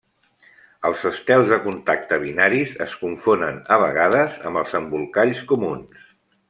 Els estels de contacte binaris es confonen a vegades amb els embolcalls comuns.